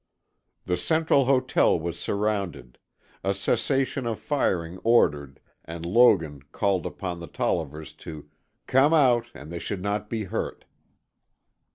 The Central Hotel was surrounded, a cessation of firing ordered and Logan called upon the Tollivers to "come out and they should not be hurt."